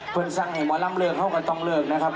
เพื่อนสังเหตุหมอร่ำเลิกเข้ากับต้องเลิกนะครับ